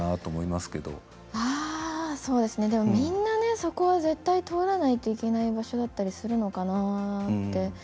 まあ、そうですね、でもみんなそこは絶対通らないといけない場所だったりするのかなって。